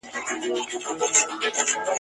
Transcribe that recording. شمع په پانوس کي ستا له وېري رڼا نه نیسي !.